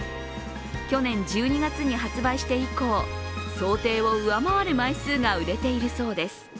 去年１２月に発売して以降、想定を上回る枚数が売れているそうです。